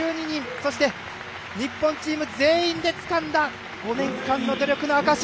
そして日本チーム全員でつかんだ５年間の努力の証し。